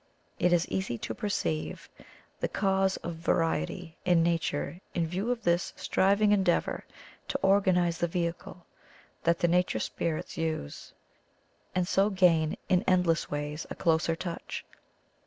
It is easy to perceive the cause of va riety in nature in view of this striving en deavour to organize the vehicle that the na ture spirits use, and so gain in endless ways 183 THE COMING OF THE FAIRIES a closer touch.